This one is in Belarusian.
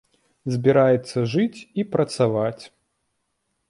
Збіраецца жыць і працаваць.